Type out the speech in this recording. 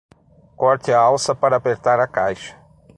Corte a alça para apertar a caixa.